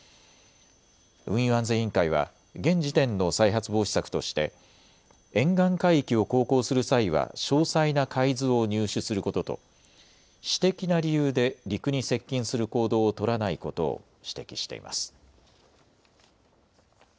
運輸安全委員会は現時点の再発防止策として沿岸海域を航行する際は詳細な海図を入手することと私的な理由で陸に接近する行動を取らないことを指摘しています。